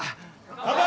乾杯！